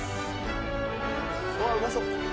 うわうまそう。